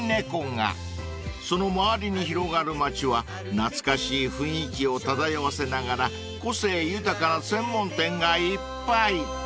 ［その周りに広がる町は懐かしい雰囲気を漂わせながら個性豊かな専門店がいっぱい］